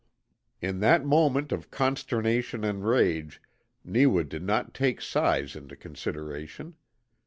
In that moment of consternation and rage Neewa did not take size into consideration.